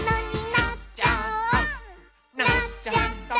「なっちゃった！」